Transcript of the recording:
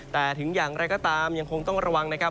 แต่ถึงอย่างไรก็ตามยังคงต้องระวังนะครับ